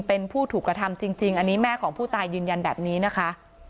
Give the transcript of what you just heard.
เป็นผู้ถูกกระทำจริงอันนี้แม่ของผู้ตายยืนยันแบบนี้นะคะ